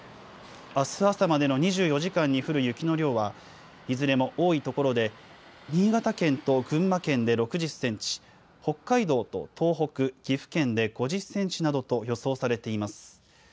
あす朝までの２４時間に降る雪の量はいずれも多いところで新潟県と群馬県で６０センチ、北海道と東北、岐阜県で５０センチなどと予想されています。